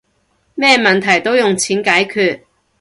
咩問題都用錢解決